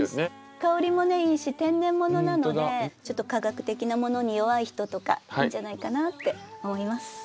香りもいいし天然ものなのでちょっと化学的なものに弱い人とかいいんじゃないかなって思います。